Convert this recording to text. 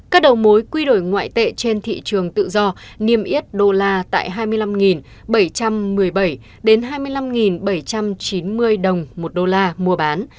các đầu mối quy đổi ngoại tệ trên thị trường tự do niêm yết đô la tại hai mươi năm bảy trăm một mươi bảy hai mươi năm bảy trăm chín mươi đồng một đô la mua bán